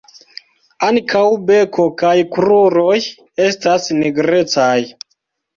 Ankaŭ beko kaj kruroj estas nigrecaj.